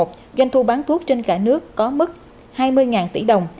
năm hai nghìn một mươi một doanh thu bán thuốc trên cả nước có mức hai mươi tỷ đồng